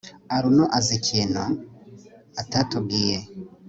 arnaud azi ikintu atatubwiye